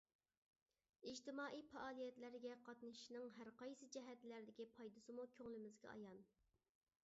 ئىجتىمائىي پائالىيەتلەرگە قاتنىشىشنىڭ ھەر قايسى جەھەتلەردىكى پايدىسىمۇ كۆڭلىمىزگە ئايان.